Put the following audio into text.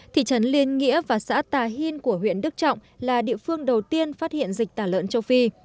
thị trấn liên nghĩa và xã tà hìn của huyện đức trọng là địa phương đầu tiên phát hiện dịch tả lợn châu phi